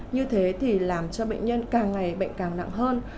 như thế thì làm cho bệnh nhân càng ngày bệnh càng nặng hơn